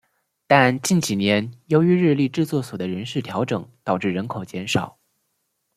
但近几年由于日立制作所的人事调整导致人口减少。